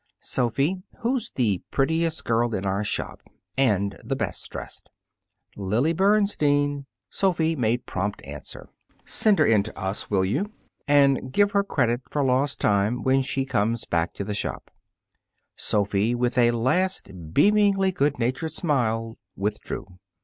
"Sophy, who's the prettiest girl in our shop? And the best dressed?" "Lily Bernstein," Sophy made prompt answer. "Send her in to us, will you? And give her credit for lost time when she comes back to the shop." Sophy, with a last beamingly good natured smile, withdrew.